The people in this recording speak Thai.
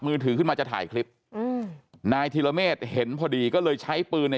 มือถือขึ้นมาจะถ่ายคลิปอืมนายธิรเมฆเห็นพอดีก็เลยใช้ปืนใน